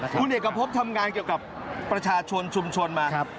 คุณเอกพบทำงานเกี่ยวกับประชาชนชุมชนมา